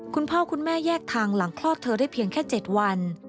คุณพ่อคุณแม่แยกทางหลังคลอดเธอได้เพียงแค่๗วัน